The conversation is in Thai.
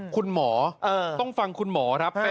คุณหมอต้องฟังคุณหมอครับ